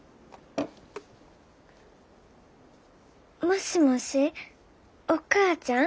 もしもしお母ちゃん？